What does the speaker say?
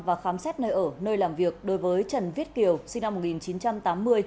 và khám xét nơi ở nơi làm việc đối với trần viết kiều sinh năm một nghìn chín trăm tám mươi